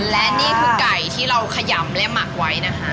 และนี่คือไก่ที่เราขยำและหมักไว้นะคะ